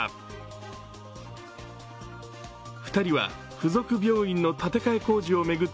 付属病院の建て替え工事を巡り